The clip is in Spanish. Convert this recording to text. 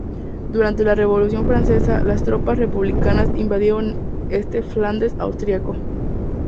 Durante la Revolución francesa, las tropas republicanas invadieron este Flandes austriaco.